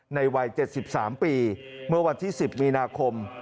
ในวัยเจ็ดสิบสามปีเมื่อวันที่สิบมีนาคม